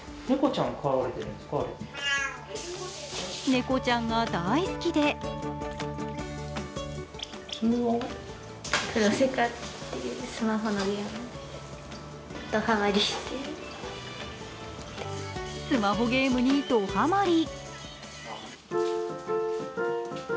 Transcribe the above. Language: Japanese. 猫ちゃんが大好きでスマホゲームにどハマり。